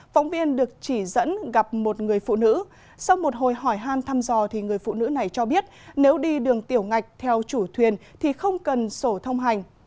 phóng viên được chỉ dẫn gặp một người phụ nữ sau một hồi hỏi hàn thăm dò người phụ nữ này cho biết nếu đi đường tiểu ngạch theo chủ thuyền thì không cần sổ thông hành